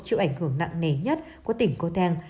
chịu ảnh hưởng nặng nề nhất của tỉnh cô teng